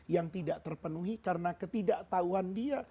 yang tidak terpenuhi karena ketidaktahuan dia